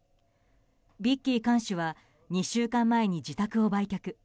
ビッキー看守は２週間前に自宅を売却。